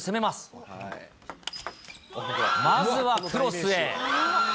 まずはクロスへ。